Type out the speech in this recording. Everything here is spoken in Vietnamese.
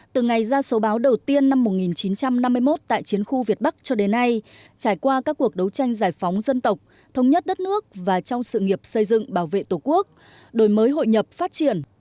từ ngày ra số báo đầu tiên năm một nghìn chín trăm năm mươi một tại chiến khu việt bắc cho đến nay trải qua các cuộc đấu tranh giải phóng dân tộc thống nhất đất nước và trong sự nghiệp xây dựng bảo vệ tổ quốc đổi mới hội nhập phát triển